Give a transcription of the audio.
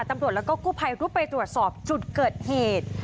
ตำรวจแล้วก็กู้ภัยรุดไปตรวจสอบจุดเกิดเหตุ